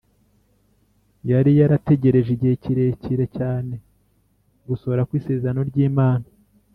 yari yarategereje igihe kirekire cyane gusohora kw’isezerano ry’imana;